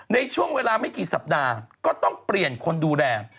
ในช่วงเวลาไม่กี่สัปดาห์ก็ต้องเปลี่ยนคนดูแล